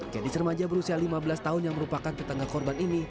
gadis remaja berusia lima belas tahun yang merupakan tetangga korban ini